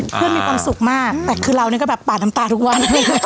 เพื่อนมีความสุขมากแต่คือเราก็แบบปาดน้ำตาทุกวัน